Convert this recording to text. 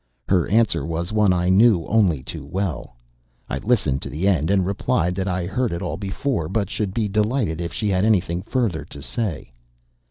Her answer was one I knew only too well. I listened to the end; and replied that I had heard it all before, but should be delighted if she had anything further to say.